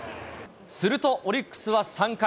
するとオリックスは３回。